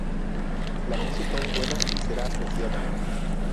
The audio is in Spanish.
La música es buena y será apreciada.